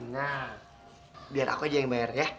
nah biar aku aja yang bayar ya